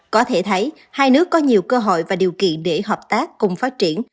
có thể thấy hai nước có nhiều cơ hội và điều kiện để hợp tác cùng phát triển